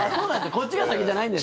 こっちが先じゃないんですね。